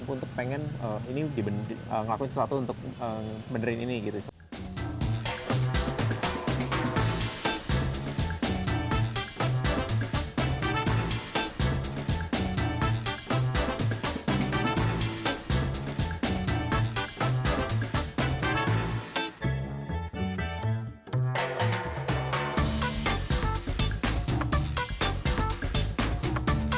untuk pengen ini ngelakuin sesuatu untuk menderin ini gitu